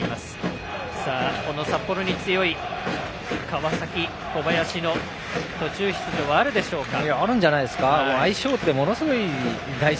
この札幌に強い川崎小林の途中出場はあるでしょうか。